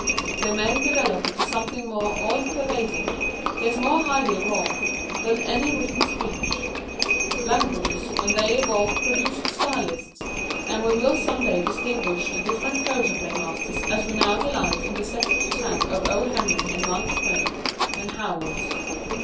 They may develop into something more all pervading, yet more highly wrought, than any written speech. Languages when they evolve produce stylists, and we will some day distinguish the different photoplay masters as we now delight in the separate tang of O. Henry and Mark Twain and Howells.